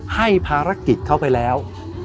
ให้ภารกิจเข้าไปแล้ว